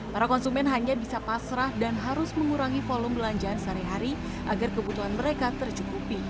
para konsumen hanya bisa pasrah dan harus mengurangi volume belanjaan sehari hari agar kebutuhan mereka tercukupi